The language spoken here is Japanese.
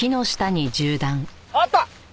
あった！